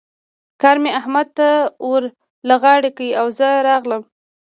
کار مې احمد ته ور له غاړې کړ او زه راغلم.